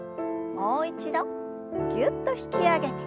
もう一度ぎゅっと引き上げて。